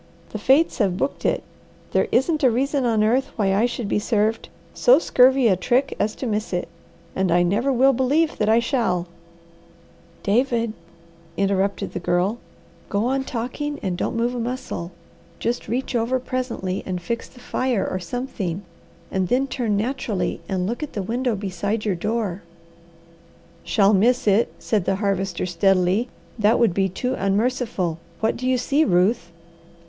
The fates have booked it. There isn't a reason on earth why I should be served so scurvy a trick as to miss it, and I never will believe that I shall " "David," interrupted the Girl, "go on talking and don't move a muscle, just reach over presently and fix the fire or something, and then turn naturally and look at the window beside your door." "Shall miss it," said the Harvester steadily. "That would be too unmerciful. What do you see, Ruth?"